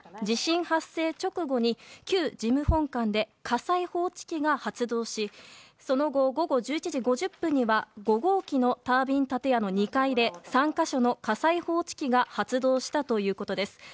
地震発生直後に旧事務本館で火災報知器が発動しその後、午後１１時５０分に５号機のタービン建屋の２階で３か所の火災報知器が発動したということです。